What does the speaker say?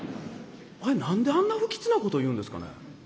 あれ何であんな不吉なこと言うんですかねえ。